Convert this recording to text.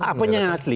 apanya yang asli